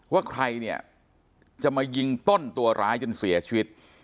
ว่าใครเนี่ยจะมายิงต้นตัวร้ายจนเสียชีวิต